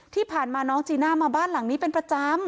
ที่ผ่านมาน้องจีน่ามาบ้านหลังนี้เป็นประจำ